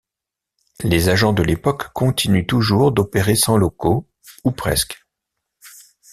Les agents de l’époque continuent toujours d’opérer sans locaux, ou presque.